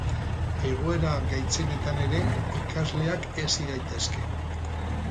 Egoera gaitzenetan ere ikasleak hezi daitezke.